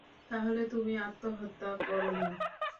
তাহলে তুমি আত্মহত্যা করনি!